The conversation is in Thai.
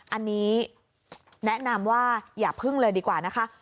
อันนี้แนะนำว่าอย่าพึ่งเลยดีกว่านะคะ